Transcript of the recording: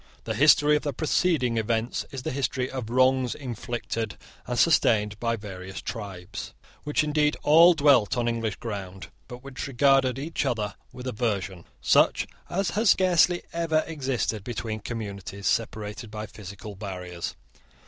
The history of the preceding events is the history of wrongs inflicted and sustained by various tribes, which indeed all dwelt on English ground, but which regarded each other with aversion such as has scarcely ever existed between communities separated by physical barriers.